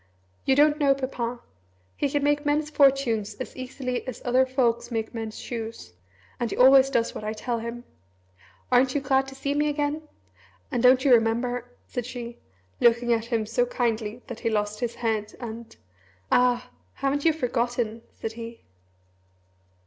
You don't know Papa! He can make men's fortunes as easily as other folks make men's shoes. And he always does what I tell him. Aren't you glad to see me again? And don't you remember ?" said she, looking at him so kindly that he lost his head and "Ah! haven't you forgotten?" said he.